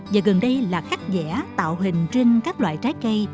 và gần đây là khắc dẻ tạo hình trên các loại trái cây